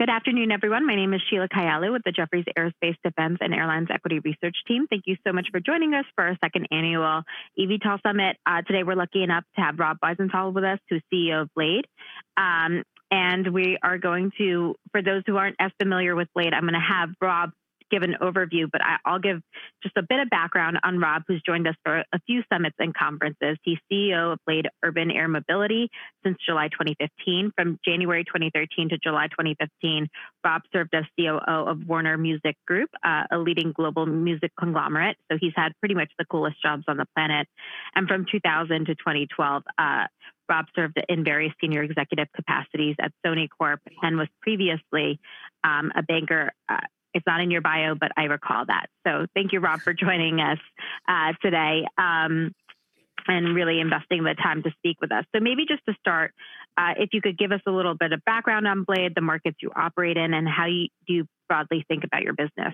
Good afternoon, everyone. My name is Sheila Kahyaoglu with the Jefferies Aerospace Defense and Airlines Equity Research Team. Thank you so much for joining us for our second annual eVTOL Summit. Today, we're lucky enough to have Rob Wiesenthal with us, who's CEO of Blade. For those who aren't as familiar with Blade, I'm gonna have Rob give an overview, but I'll give just a bit of background on Rob, who's joined us for a few summits and conferences. He's CEO of Blade Urban Air Mobility since July 2015. From January 2013 to July 2015, Rob served as COO of Warner Music Group, a leading global music conglomerate, so he's had pretty much the coolest jobs on the planet. From 2000 to 2012, Rob served in various senior executive capacities at Sony Corp and was previously a banker. It's not in your bio, but I recall that. So thank you, Rob, for joining us today and really investing the time to speak with us. So maybe just to start, if you could give us a little bit of background on Blade, the markets you operate in, and how you broadly think about your business?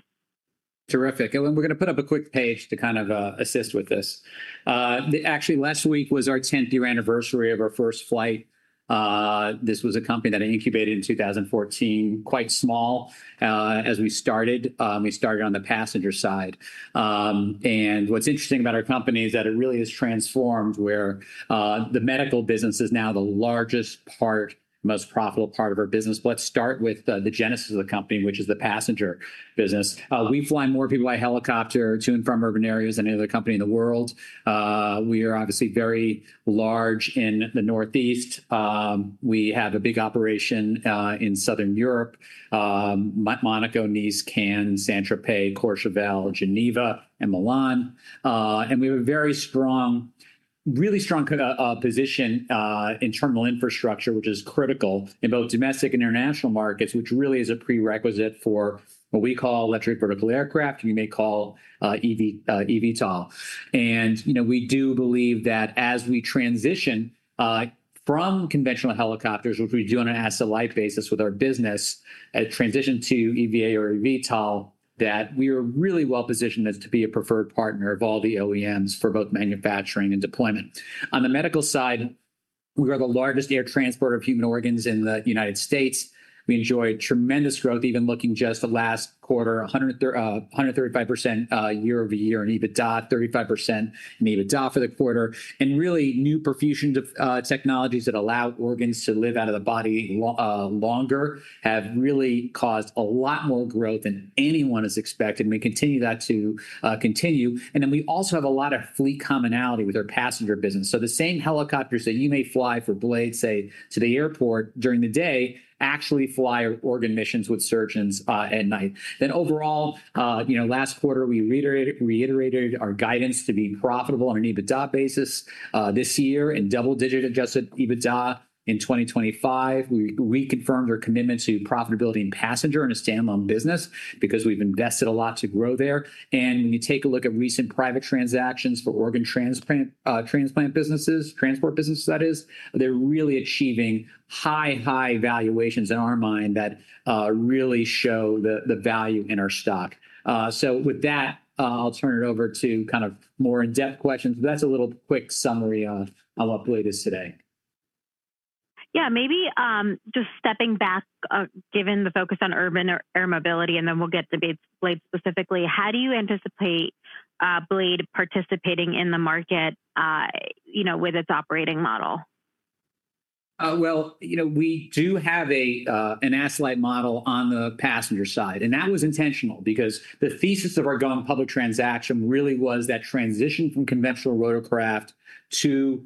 Terrific. We're gonna put up a quick page to kind of assist with this. Actually, last week was our 10th-year anniversary of our first flight. This was a company that I incubated in 2014, quite small, as we started. We started on the passenger side. And what's interesting about our company is that it really has transformed, where the medical business is now the largest part, most profitable part of our business. But let's start with the genesis of the company, which is the passenger business. We fly more people by helicopter to and from urban areas than any other company in the world. We are obviously very large in the Northeast. We have a big operation in Southern Europe, Monaco, Nice, Cannes, Saint-Tropez, Courchevel, Geneva, and Milan. We have a very strong, really strong, position in terminal infrastructure, which is critical in both domestic and international markets, which really is a prerequisite for what we call electric vertical aircraft, you may call EVA, eVTOL. You know, we do believe that as we transition from conventional helicopters, which we do on an asset-light basis with our business, transition to EVA or eVTOL, that we are really well positioned to be a preferred partner of all the OEMs for both manufacturing and deployment. On the medical side, we are the largest air transporter of human organs in the United States. We enjoyed tremendous growth, even looking just the last quarter, 135% year-over-year in EBITDA, 35% in EBITDA for the quarter. Really, new perfusion technologies that allow organs to live out of the body longer have really caused a lot more growth than anyone has expected, and we continue that to continue. Then we also have a lot of fleet commonality with our passenger business. So the same helicopters that you may fly for Blade, say, to the airport during the day, actually fly organ missions with surgeons at night. Overall, you know, last quarter, we reiterated our guidance to be profitable on an EBITDA basis this year, and double-digit adjusted EBITDA in 2025. We reconfirmed our commitment to profitability in passenger in a standalone business because we've invested a lot to grow there. When you take a look at recent private transactions for organ transplant, transplant businesses, transport businesses, that is, they're really achieving high, high valuations in our mind that really show the value in our stock. So with that, I'll turn it over to kind of more in-depth questions. That's a little quick summary of how Blade is today. Yeah, maybe just stepping back, given the focus on urban air mobility, and then we'll get to Blade specifically, how do you anticipate Blade participating in the market, you know, with its operating model? Well, you know, we do have an asset-light model on the passenger side, and that was intentional because the thesis of our going public transaction really was that transition from conventional rotorcraft to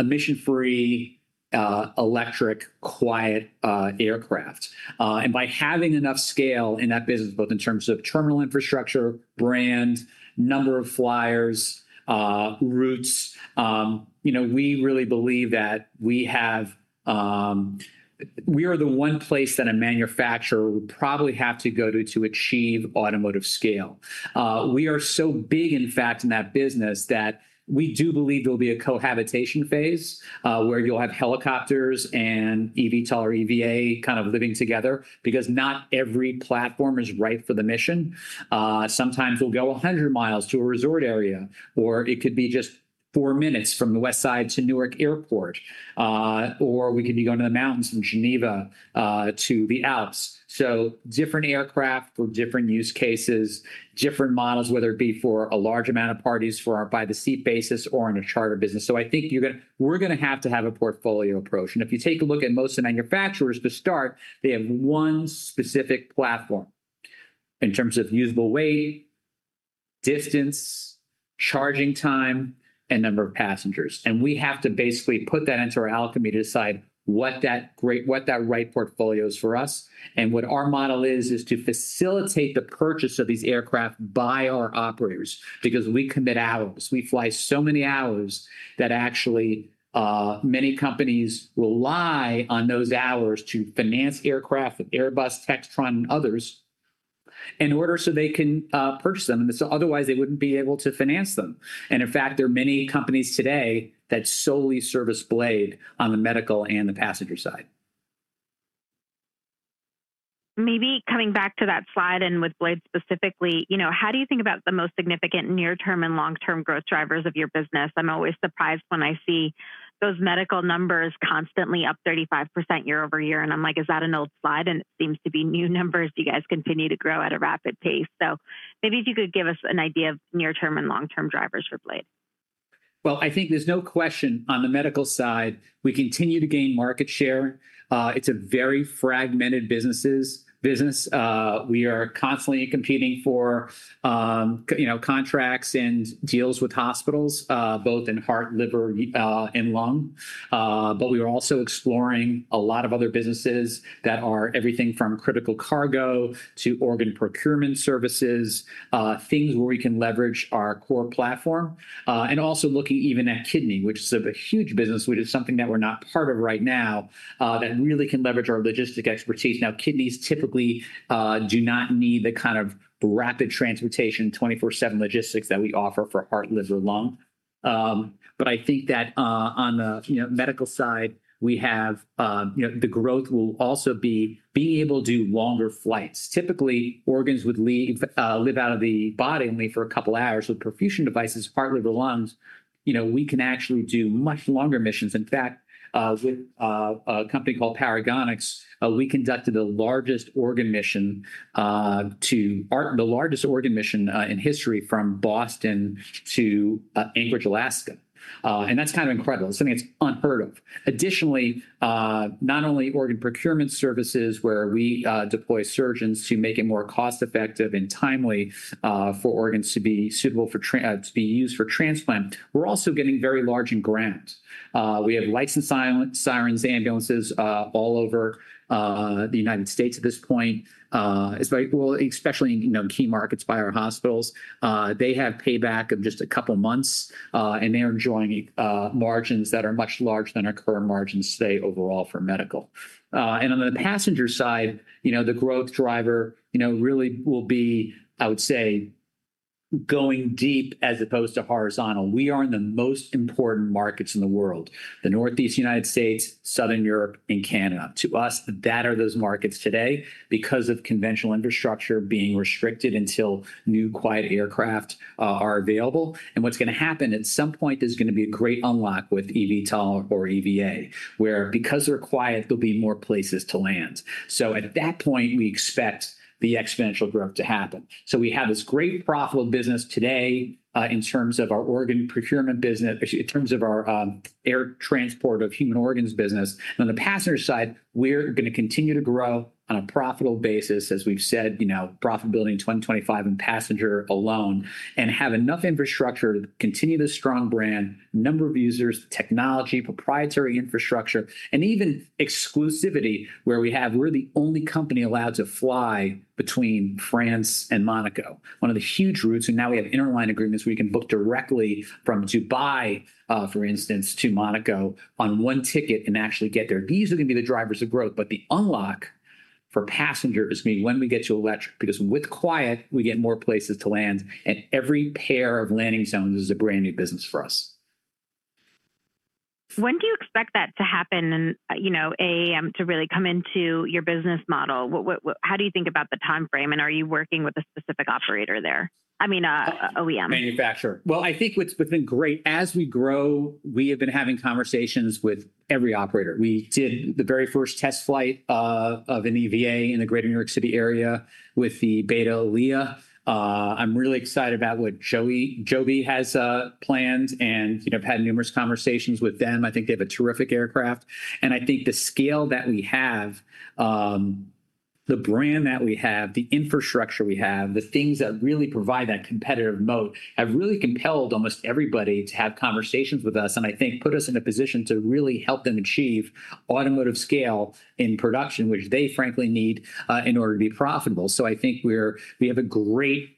emission-free electric, quiet aircraft. And by having enough scale in that business, both in terms of terminal infrastructure, brand, number of flyers, routes, you know, we really believe that we have... We are the one place that a manufacturer would probably have to go to to achieve automotive scale. We are so big, in fact, in that business, that we do believe there will be a cohabitation phase, where you'll have helicopters and eVTOL or EVA kind of living together, because not every platform is right for the mission. Sometimes we'll go 100 mi to a resort area, or it could be just four minutes from the West Side to Newark Airport, or we could be going to the mountains in Geneva to the Alps. So different aircraft for different use cases, different models, whether it be for a large amount of parties, for our by-the-seat basis or on a charter business. So I think you're gonna, we're gonna have to have a portfolio approach. And if you take a look at most manufacturers, to start, they have one specific platform in terms of usable weight, distance, charging time, and number of passengers. And we have to basically put that into our alchemy to decide what that right portfolio is for us. And what our model is, is to facilitate the purchase of these aircraft by our operators, because we commit hours. We fly so many hours that actually, many companies rely on those hours to finance aircraft with Airbus, Textron, and others in order so they can purchase them, and so otherwise, they wouldn't be able to finance them. In fact, there are many companies today that solely service Blade on the medical and the passenger side.... Maybe coming back to that slide and with Blade specifically, you know, how do you think about the most significant near-term and long-term growth drivers of your business? I'm always surprised when I see those medical numbers constantly up 35% year-over-year, and I'm like: "Is that an old slide?" And it seems to be new numbers. You guys continue to grow at a rapid pace. So maybe if you could give us an idea of near-term and long-term drivers for Blade. Well, I think there's no question on the medical side, we continue to gain market share. It's a very fragmented business. We are constantly competing for, you know, contracts and deals with hospitals, both in heart, liver, and lung. But we are also exploring a lot of other businesses that are everything from critical cargo to organ procurement services, things where we can leverage our core platform, and also looking even at kidney, which is a huge business, which is something that we're not part of right now, that really can leverage our logistic expertise. Now, kidneys typically do not need the kind of rapid transportation, 24/7 logistics that we offer for heart, liver, lung. But I think that, on the, you know, medical side, we have, you know, the growth will also be being able to do longer flights. Typically, organs would leave, live out of the body only for a couple of hours. With perfusion devices, heart, liver, lungs, you know, we can actually do much longer missions. In fact, with a company called Paragonix, we conducted the largest organ mission in history from Boston to Anchorage, Alaska. And that's kind of incredible. Something that's unheard of. Additionally, not only organ procurement services, where we deploy surgeons to make it more cost-effective and timely, for organs to be suitable for transplant, we're also getting very large in ground. We have lights and sirens, ambulances, all over the United States at this point, as very well, especially in, you know, key markets by our hospitals. They have payback of just a couple of months, and they're enjoying margins that are much larger than our current margins today overall for medical. And on the passenger side, you know, the growth driver, you know, really will be, I would say, going deep as opposed to horizontal. We are in the most important markets in the world, the Northeast United States, Southern Europe, and Canada. To us, that are those markets today because of conventional infrastructure being restricted until new quiet aircraft are available. And what's gonna happen at some point, there's gonna be a great unlock with eVTOL or EVA, where because they're quiet, there'll be more places to land. So at that point, we expect the exponential growth to happen. So we have this great profitable business today, in terms of our organ procurement business, actually, in terms of our, air transport of human organs business. On the passenger side, we're gonna continue to grow on a profitable basis, as we've said, you know, profitability in 2025 in passenger alone, and have enough infrastructure to continue this strong brand, number of users, technology, proprietary infrastructure, and even exclusivity, where we have—we're the only company allowed to fly between France and Monaco, one of the huge routes, and now we have interline agreements. We can book directly from Dubai, for instance, to Monaco on one ticket and actually get there. These are gonna be the drivers of growth, but the unlock for passengers is gonna be when we get to electric, because with quiet, we get more places to land, and every pair of landing zones is a brand-new business for us. When do you expect that to happen and, you know, to really come into your business model? What-- how do you think about the timeframe, and are you working with a specific operator there? I mean, OEM. Manufacturer. Well, I think what's been great, as we grow, we have been having conversations with every operator. We did the very first test flight of an EVA in the greater New York City area with the Beta ALIA. I'm really excited about what Joby has planned, and, you know, I've had numerous conversations with them. I think they have a terrific aircraft, and I think the scale that we have, the brand that we have, the infrastructure we have, the things that really provide that competitive moat, have really compelled almost everybody to have conversations with us and I think put us in a position to really help them achieve automotive scale in production, which they frankly need in order to be profitable. So I think we have a great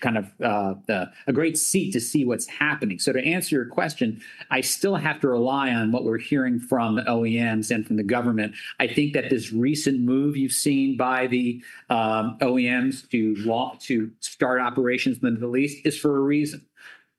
kind of seat to see what's happening. So to answer your question, I still have to rely on what we're hearing from OEMs and from the government. I think that this recent move you've seen by the OEMs to want to start operations in the Middle East is for a reason.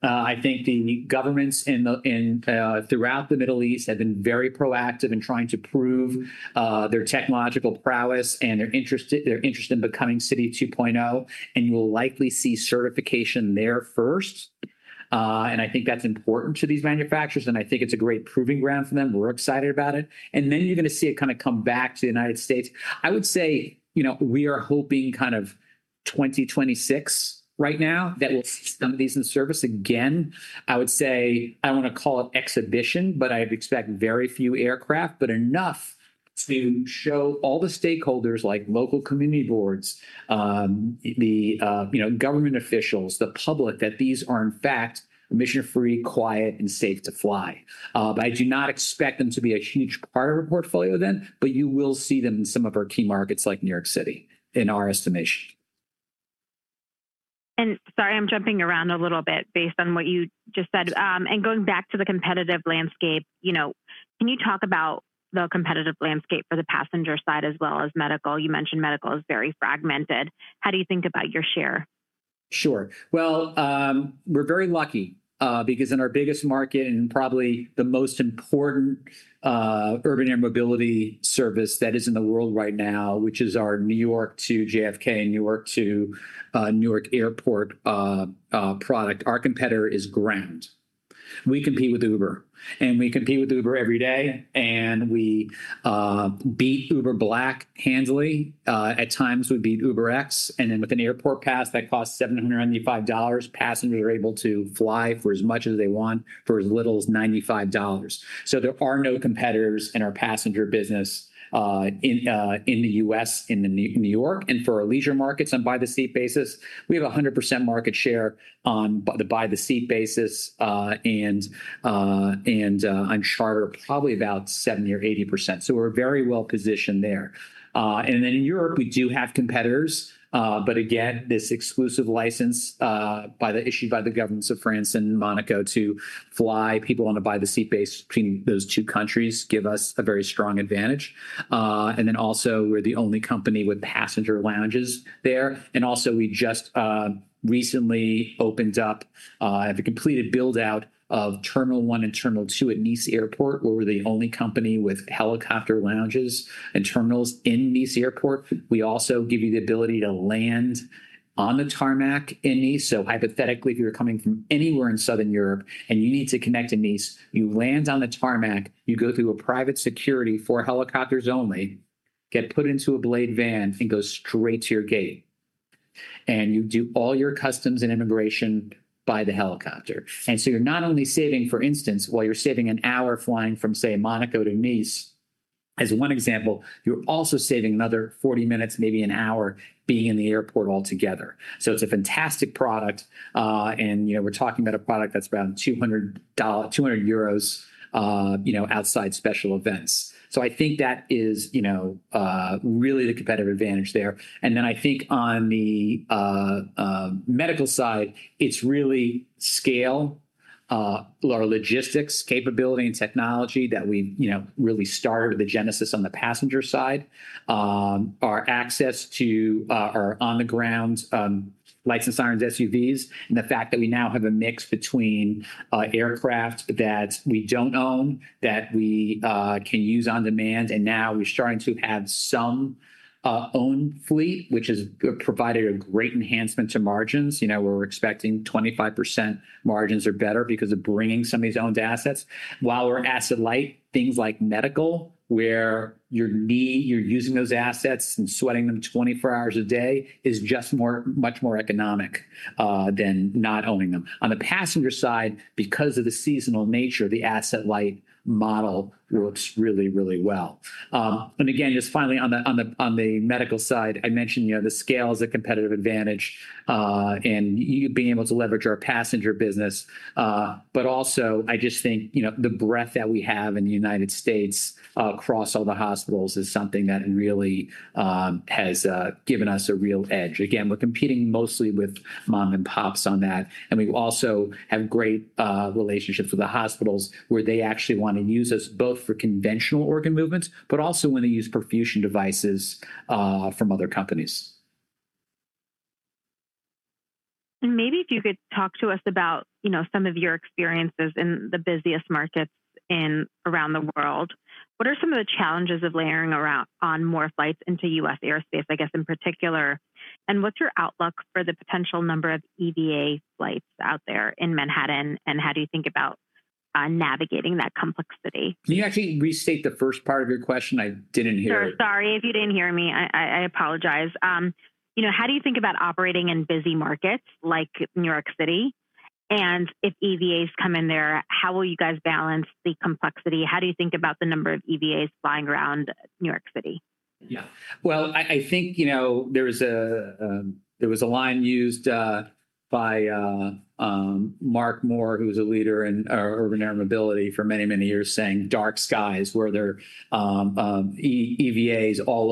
I think the governments throughout the Middle East have been very proactive in trying to prove their technological prowess, and they're interested—they're interested in becoming City 2.0, and you will likely see certification there first. I think that's important to these manufacturers, and I think it's a great proving ground for them. We're excited about it, and then you're gonna see it kind of come back to the United States. I would say, you know, we are hoping kind of 2026 right now, that we'll see some of these in service. Again, I would say, I don't wanna call it exhibition, but I'd expect very few aircraft, but enough to show all the stakeholders, like local community boards, you know, government officials, the public, that these are in fact emission-free, quiet, and safe to fly. But I do not expect them to be a huge part of our portfolio then, but you will see them in some of our key markets like New York City, in our estimation. Sorry, I'm jumping around a little bit based on what you just said. Going back to the competitive landscape, you know, can you talk about the competitive landscape for the passenger side as well as medical? You mentioned medical is very fragmented. How do you think about your share?... Sure. Well, we're very lucky because in our biggest market and probably the most important urban air mobility service that is in the world right now, which is our New York to JFK, New York to Newark Airport product, our competitor is ground. We compete with Uber, and we compete with Uber every day, and we beat Uber Black handily. At times we beat UberX, and then with an Airport Pass that costs $795, passengers are able to fly for as much as they want for as little as $95. There are no competitors in our passenger business in the U.S., in New York, and for our leisure markets on by-the-seat basis, we have 100% market share on by-the-seat basis, and on charter, probably about 70% or 80%. We're very well positioned there. Then in Europe, we do have competitors, but again, this exclusive license issued by the governments of France and Monaco to fly people on a by-the-seat basis between those two countries give us a very strong advantage. Then also, we're the only company with passenger lounges there. Also, we just recently have a completed build-out of Terminal 1 and Terminal 2 at Nice Airport, where we're the only company with helicopter lounges and terminals in Nice Airport. We also give you the ability to land on the tarmac in Nice, so hypothetically, if you're coming from anywhere in Southern Europe and you need to connect to Nice, you land on the tarmac, you go through a private security for helicopters only, get put into a Blade van, and go straight to your gate, and you do all your customs and immigration by the helicopter. And so you're not only saving, for instance, while you're saving an hour flying from, say, Monaco to Nice, as one example, you're also saving another 40 minutes, maybe an hour, being in the airport altogether. So it's a fantastic product, and, you know, we're talking about a product that's around 200 euros, you know, outside special events. So I think that is, you know, really the competitive advantage there. And then I think on the medical side, it's really scale our logistics capability and technology that we've, you know, really started the genesis on the passenger side, our access to our on-the-ground lights and sirens, SUVs, and the fact that we now have a mix between aircraft that we don't own, that we can use on demand, and now we're starting to add some own fleet, which has provided a great enhancement to margins. You know, we're expecting 25% margins or better because of bringing some of these owned assets. While we're asset-light, things like medical, where you're using those assets and sweating them 24 hours a day, is just more much more economic than not owning them. On the passenger side, because of the seasonal nature, the asset-light model works really, really well. And again, just finally on the medical side, I mentioned, you know, the scale is a competitive advantage, and you being able to leverage our passenger business. But also I just think, you know, the breadth that we have in the United States across all the hospitals is something that really has given us a real edge. Again, we're competing mostly with mom and pops on that, and we also have great relationships with the hospitals, where they actually want to use us both for conventional organ movements, but also when they use perfusion devices from other companies. Maybe if you could talk to us about, you know, some of your experiences in and around the world. What are some of the challenges of layering more on more flights into U.S. airspace, I guess, in particular, and what's your outlook for the potential number of EVA flights out there in Manhattan, and how do you think about navigating that complexity? Can you actually restate the first part of your question? I didn't hear it. Sure, sorry, if you didn't hear me, I apologize. You know, how do you think about operating in busy markets like New York City? And if EVAs come in there, how will you guys balance the complexity? How do you think about the number of EVAs flying around New York City? Yeah. Well, I think, you know, there was a line used by Mark Moore, who was a leader in urban air mobility for many, many years, saying, "Dark skies, where there EVAs all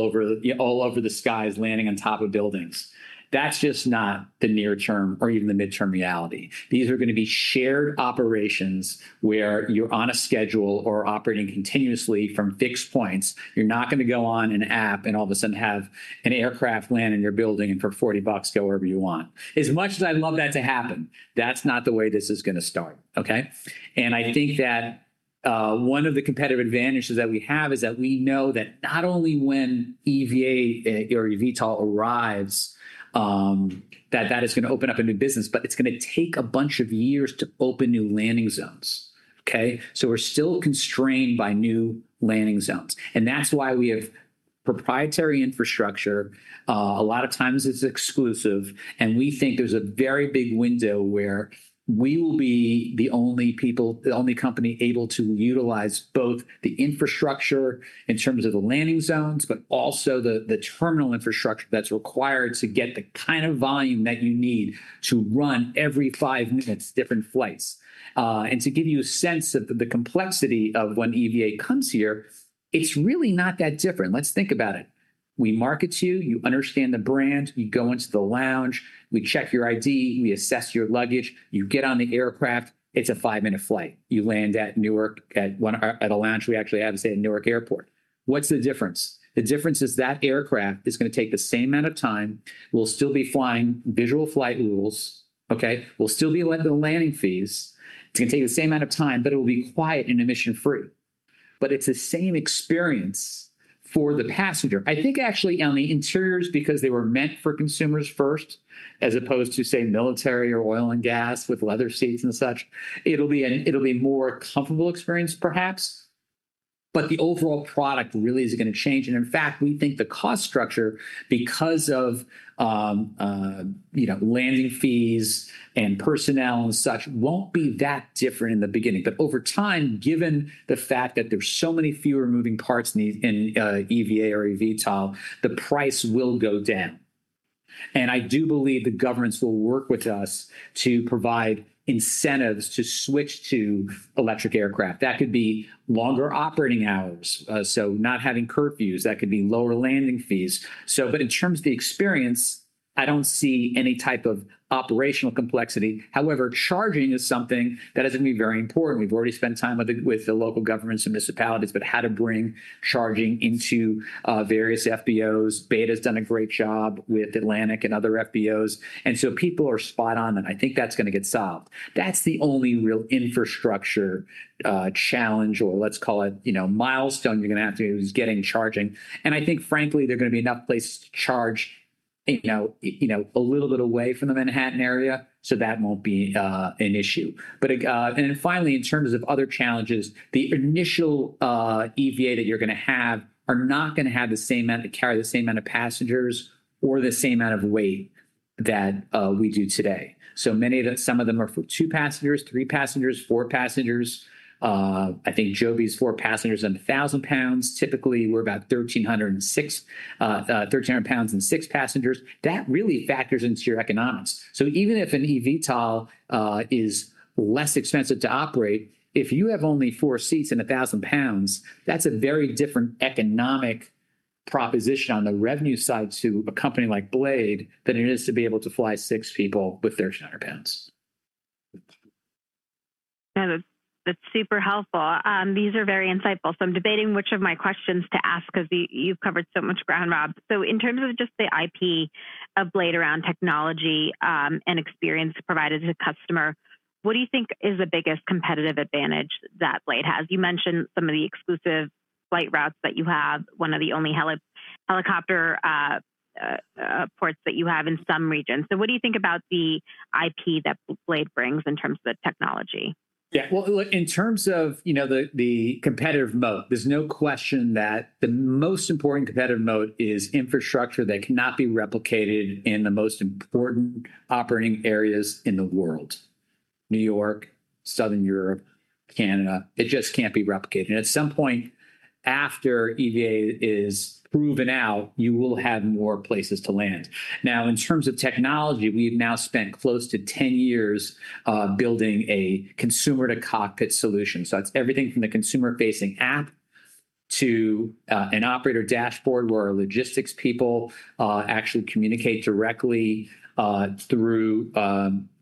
over the skies, landing on top of buildings." That's just not the near-term or even the mid-term reality. These are gonna be shared operations where you're on a schedule or operating continuously from fixed points. You're not gonna go on an app and all of a sudden have an aircraft land in your building and for $40, go wherever you want. As much as I'd love that to happen, that's not the way this is gonna start, okay? I think that one of the competitive advantages that we have is that we know that not only when EVA or eVTOL arrives, that that is gonna open up a new business, but it's gonna take a bunch of years to open new landing zones, okay? So we're still constrained by new landing zones, and that's why we have proprietary infrastructure. A lot of times it's exclusive, and we think there's a very big window where we will be the only people, the only company able to utilize both the infrastructure in terms of the landing zones, but also the, the terminal infrastructure that's required to get the kind of volume that you need to run every five minutes, different flights. And to give you a sense of the complexity of when EVA comes here, it's really not that different. Let's think about it. We market to you, you understand the brand, we go into the lounge, we check your ID, we assess your luggage, you get on the aircraft, it's a five-minute flight. You land at Newark, at a lounge we actually have, say, at Newark Airport. What's the difference? The difference is that aircraft is gonna take the same amount of time, will still be flying Visual Flight Rules, okay? Will still be landing fees. It's gonna take the same amount of time, but it will be quiet and emission-free. But it's the same experience for the passenger. I think actually on the interiors, because they were meant for consumers first, as opposed to, say, military or oil and gas with leather seats and such, it'll be a more comfortable experience perhaps, but the overall product really isn't gonna change, and in fact, we think the cost structure, because of, you know, landing fees and personnel and such, won't be that different in the beginning. But over time, given the fact that there's so many fewer moving parts in the EVA or eVTOL, the price will go down. And I do believe the governments will work with us to provide incentives to switch to electric aircraft. That could be longer operating hours, so not having curfews, that could be lower landing fees. But in terms of the experience, I don't see any type of operational complexity. However, charging is something that is gonna be very important. We've already spent time with the local governments and municipalities about how to bring charging into various FBOs. Beta's done a great job with Atlantic and other FBOs, and so people are spot on, and I think that's gonna get solved. That's the only real infrastructure challenge, or let's call it, you know, milestone you're gonna have to is getting charging. And I think frankly, there are gonna be enough places to charge, you know, you know, a little bit away from the Manhattan area, so that won't be an issue. But and then finally, in terms of other challenges, the initial EVA that you're gonna have are not gonna have the same amount, carry the same amount of passengers or the same amount of weight that we do today. So many of them are for two passengers, three passengers, four passengers. I think Joby's four passengers and 1,000 lbs. Typically, we're about 1,300 lbs and six passengers. That really factors into your economics. So even if an eVTOL is less expensive to operate, if you have only four seats and 1,000 pounds, that's a very different economic proposition on the revenue side to a company like Blade, than it is to be able to fly six people with their shoulder bags. That is, that's super helpful. These are very insightful. So I'm debating which of my questions to ask because you, you've covered so much ground, Rob. So in terms of just the IP of Blade around technology, and experience provided to the customer, what do you think is the biggest competitive advantage that Blade has? You mentioned some of the exclusive flight routes that you have, one of the only helicopter ports that you have in some regions. So what do you think about the IP that Blade brings in terms of the technology? Yeah. Well, look, in terms of, you know, the competitive moat, there's no question that the most important competitive moat is infrastructure that cannot be replicated in the most important operating areas in the world: New York, Southern Europe, Canada. It just can't be replicated. At some point after EVA is proven out, you will have more places to land. Now, in terms of technology, we've now spent close to 10 years building a consumer-to-cockpit solution. So that's everything from the consumer-facing app to an operator dashboard, where our logistics people actually communicate directly through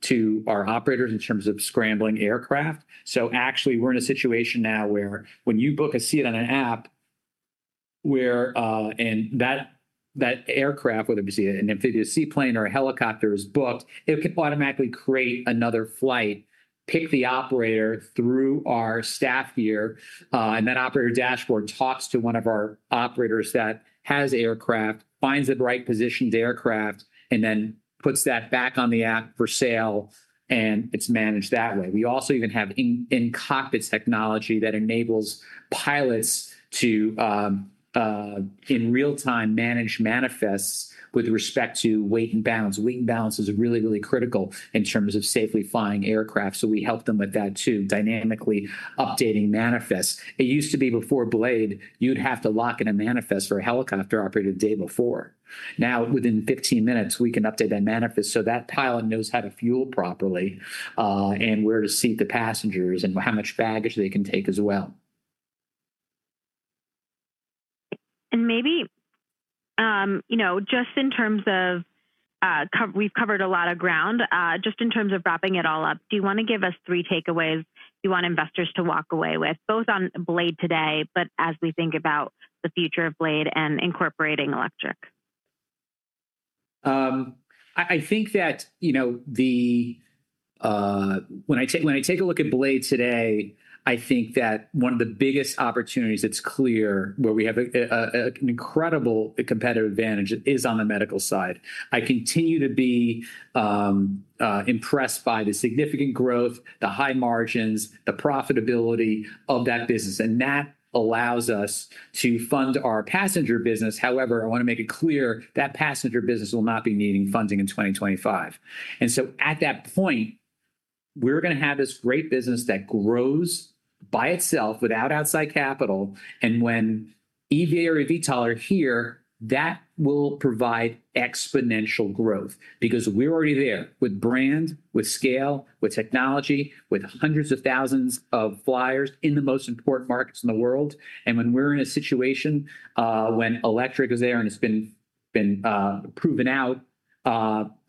to our operators in terms of scrambling aircraft. So actually, we're in a situation now where when you book a seat on an app, and that aircraft, whether it be an amphibious seaplane or a helicopter, is booked, it can automatically create another flight, pick the operator through our staff here, and that operator dashboard talks to one of our operators that has aircraft, finds the right positioned aircraft, and then puts that back on the app for sale, and it's managed that way. We also even have in-cockpit technology that enables pilots to, in real time, manage manifests with respect to weight and balance. Weight and balance is really, really critical in terms of safely flying aircraft, so we help them with that, too, dynamically updating manifests. It used to be before Blade, you'd have to lock in a manifest for a helicopter operated the day before. Now, within 15 minutes, we can update that manifest so that pilot knows how to fuel properly, and where to seat the passengers and how much baggage they can take as well. And maybe, you know, just in terms of covering we've covered a lot of ground, just in terms of wrapping it all up, do you want to give us three takeaways you want investors to walk away with, both on Blade today, but as we think about the future of Blade and incorporating electric? I think that, you know, when I take a look at Blade today, I think that one of the biggest opportunities that's clear, where we have an incredible competitive advantage, is on the medical side. I continue to be impressed by the significant growth, the high margins, the profitability of that business, and that allows us to fund our passenger business. However, I want to make it clear that passenger business will not be needing funding in 2025. So at that point, we're gonna have this great business that grows by itself without outside capital, and when EVA or eVTOL are here, that will provide exponential growth because we're already there with brand, with scale, with technology, with hundreds of thousands of flyers in the most important markets in the world. When we're in a situation when electric is there and it's been proven out,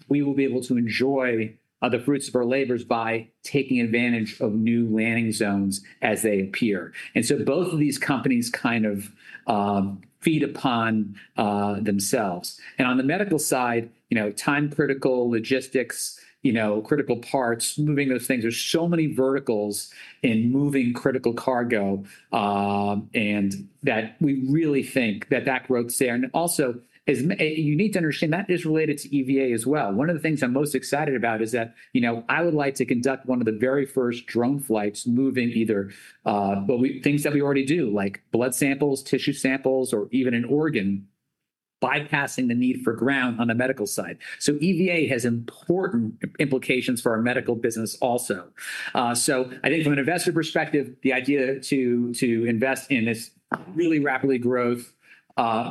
we will be able to enjoy the fruits of our labors by taking advantage of new landing zones as they appear. So both of these companies kind of feed upon themselves. And on the medical side, you know, time-critical logistics, you know, critical parts, moving those things, there's so many verticals in moving critical cargo, and that we really think that that growth is there. And also, you need to understand, that is related to EVA as well. One of the things I'm most excited about is that, you know, I would like to conduct one of the very first drone flights moving either things that we already do, like blood samples, tissue samples, or even an organ, bypassing the need for ground on the medical side. So EVA has important implications for our medical business also. So I think from an investor perspective, the idea to invest in this really rapidly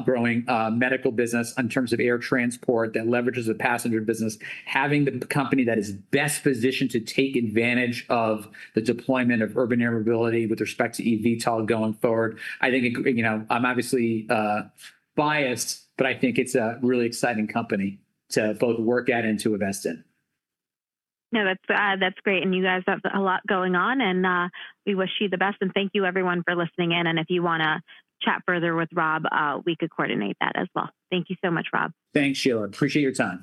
growing medical business in terms of air transport that leverages the passenger business, having the company that is best positioned to take advantage of the deployment of urban air mobility with respect to eVTOL going forward, I think, you know, I'm obviously biased, but I think it's a really exciting company to both work at and to invest in. No, that's, that's great, and you guys have a lot going on, and, we wish you the best, and thank you everyone for listening in, and if you wanna chat further with Rob, we could coordinate that as well. Thank you so much, Rob. Thanks, Sheila. Appreciate your time.